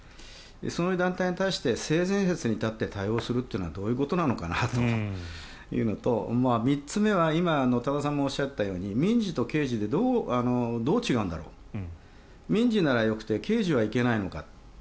その団体に対して性善説に立って対応するのはどういうことなのかなというのと３つ目は今多田さんもおっしゃったように民事と刑事でどう違うんだろうと民事ならよくて刑事はいけないのか。